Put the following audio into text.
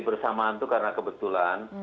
bersamaan itu karena kebetulan